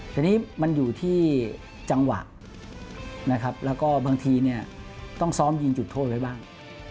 แต่นี่มันอยู่ที่จังหวะนะครับแล้วก็บางทีเนี่ยต้องซ้อมยิงจุดโทษไว้บ้าง